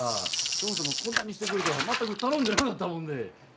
そもそもこんなにしてくれとは全く頼んでなかったもんで。